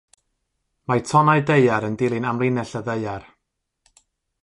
Mae tonnau daear yn dilyn amlinell y Ddaear.